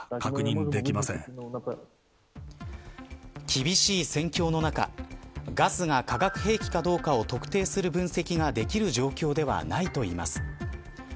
厳しい戦況の中ガスが化学兵器かどうかを特定する分析ができる状況ではないといいます。